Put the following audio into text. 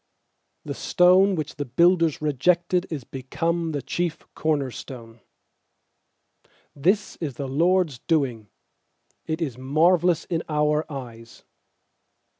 stone which the builders re jected Is become the chief corner stone. is the LORD'S doing; It is marvellous in our eyes.